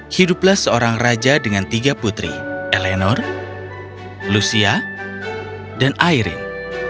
hiduplah seorang raja dengan tiga putri eleanor lucia dan airin